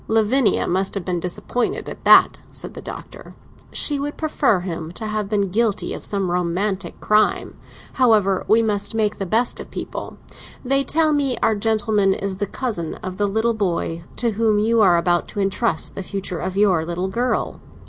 "Lavinia must have been disappointed at that," said the Doctor; "she would prefer him to have been guilty of some romantic crime. However, we must make the best of people. They tell me our gentleman is the cousin of the little boy to whom you are about to entrust the future of your little girl."